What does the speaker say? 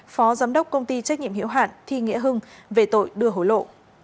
phó giám đốc công ty trách nhiệm hiệu hạn thi nghĩa hưng về tội đưa hối lộ